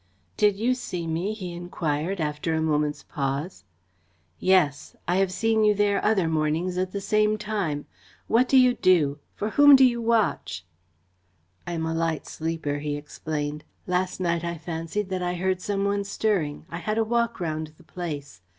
"Did you see me?" he enquired, after a moment's pause. "Yes. I have seen you there other mornings at the same time. What do you do? For whom do you watch?" "I am a light sleeper," he explained. "Last night I fancied that I heard some one stirring. I had a walk round the place.